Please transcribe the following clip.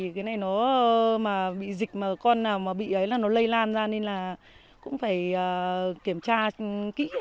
cái này nó bị dịch mà con nào mà bị ấy là nó lây lan ra nên là cũng phải kiểm tra kỹ